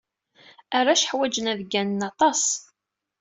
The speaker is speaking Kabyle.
Arrac ḥwajen ad gganen aṭas.